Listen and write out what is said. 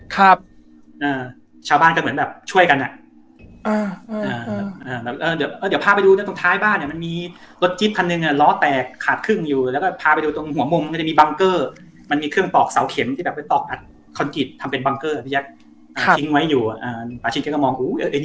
ก่อนเป็นคำพูดจากผ้าพี่แจ็คครับอ่าชาวบ้านก็เหมือนแบบช่วยกันอ่ะอืม